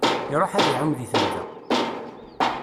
Iṛuḥ ad iɛum di temda.